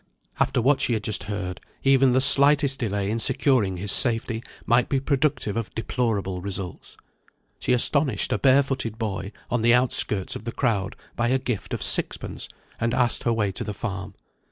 After what she had just heard, even the slightest delay in securing his safety might be productive of deplorable results. She astonished a barefooted boy, on the outskirts of the crowd, by a gift of sixpence, and asked her way to the farm.